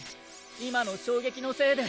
今の衝撃のせいで。